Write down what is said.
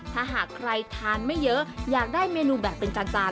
ถ้าหากใครทานไม่เยอะอยากได้เมนูแบบเป็นจาน